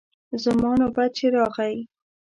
زما نوبت چې راغی.